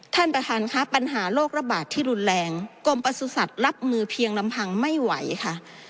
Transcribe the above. ท่านประธานค่ะปัญหาโรคระบาดที่รุนแรงกรมประสุทธิ์รับมือเพียงลำพังไม่ไหวค่ะ